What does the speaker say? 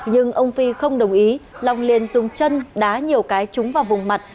nhưng ông phi không đồng ý long liền dùng chân đá nhiều cái trúng vào vùng mặt